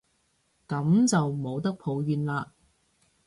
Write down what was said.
噉就冇得抱怨喇